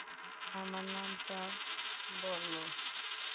আমার নামটা বল।